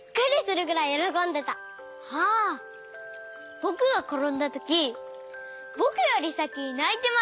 ぼくがころんだときぼくよりさきにないてました。